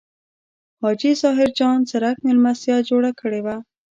حاجي ظاهر جان څرک مېلمستیا جوړه کړې وه.